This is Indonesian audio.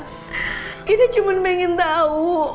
kita cuma pengen tau